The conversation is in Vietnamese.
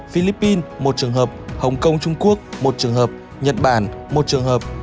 philippines một trường hợp hong kong trung quốc một trường hợp nhật bản một trường hợp